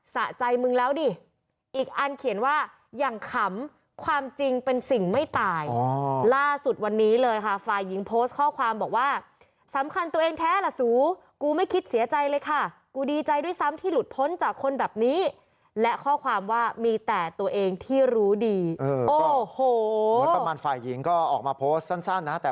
ส่วนในคลิปเนี่ยก็คือมีการพูดจากให้กำไรใจกันอะ